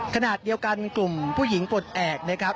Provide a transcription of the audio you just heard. ขนาดเดียวกันกลุ่มผู้หญิงปลดแอบ